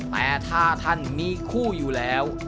แต่ถ้าท่านมีคู่อยู่แล้ว